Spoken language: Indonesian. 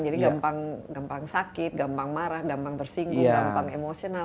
jadi gampang sakit gampang marah gampang tersinggung gampang emosional